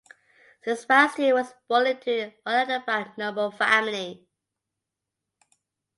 Sebastian was born into an unidentified noble family.